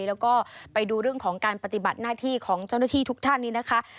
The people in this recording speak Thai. แล้วก็ไปดูเรื่องของการปฏิบัติหน้าที่ของเจ้าหน้าที่ทุกท่านนี้นะคะ